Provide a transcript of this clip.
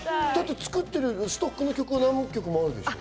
作ってるストックの曲は何曲もあるでしょ？